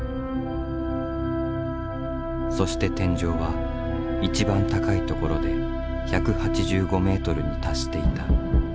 そして天井は一番高い所で１８５ｍに達していた。